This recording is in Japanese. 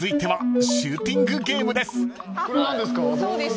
これ何ですか？